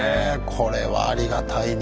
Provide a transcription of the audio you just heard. これはありがたいね。